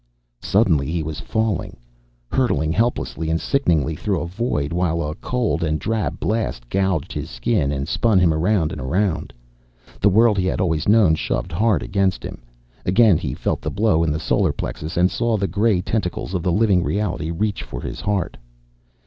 Suddenly he was falling, hurtling helplessly and sickeningly through a void while a cold and drab blast gouged his skin and spun him around and around. The world he had always known shoved hard against him. Again he felt the blow in the solar plexus and saw the grey tentacles of the living reality reach for his heart.